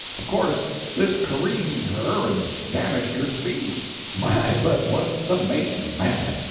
Of course this careened her and damaged her speed. My, but wasn't the mate mad!